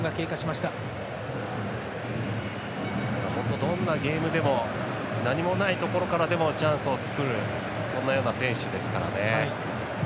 どんなゲームでも何もないところからでもチャンスを作るそんなような選手ですからね。